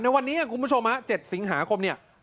ในวันนี้คุณผู้ชม๗สิงหาคม